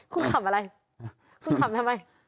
คุณขำอะไรคุณขำทำไม